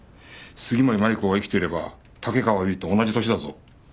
杉森真梨子が生きていれば竹川由衣と同じ歳だぞ。